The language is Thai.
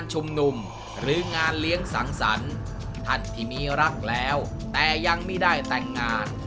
หรืองานเลี้ยงสังสรรค์ท่านที่มีรักแล้วแต่ยังไม่ได้แต่งงาน